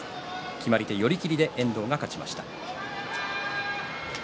決まり手は寄り切りで遠藤が勝ちました。